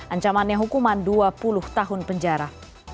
ancamannya hukuman dua puluh tahun penjara